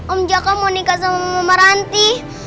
om jaka mau nikah sama mama ranti